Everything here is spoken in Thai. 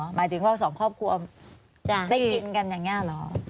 หมายถึงว่าสองครอบครัวได้กินกันอย่างนี้เหรอ